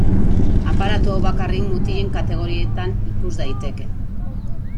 Aparatu hau bakarrik mutilen kategorietan ikus daiteke.